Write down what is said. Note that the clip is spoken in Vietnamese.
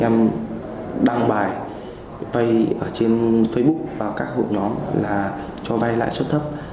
em đăng bài vây ở trên facebook và các hội nhóm là cho vây lại suất thấp